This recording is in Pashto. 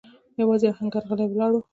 يواځې آهنګر غلی ولاړ و.